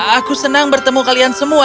aku senang bertemu kalian semua